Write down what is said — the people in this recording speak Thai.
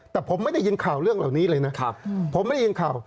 แต่ผมไม่ได้ยินข่าวเรื่องเหล่านี้เลยนะครับผมไม่ได้ยินข่าว